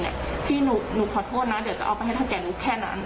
พี่หนูขอโทษนะเดี๋ยวจะเอาไปให้เท่าแก่หนูแค่นั้น